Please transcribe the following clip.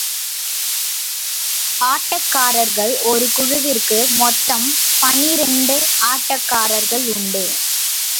ஆட்டக்காரர்கள் ஒரு குழுவிற்கு மொத்தம் பனிரண்டு ஆட்டக்காரர்கள் உண்டு.